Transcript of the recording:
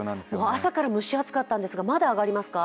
朝から蒸し暑かったんですがまだ上がりますか？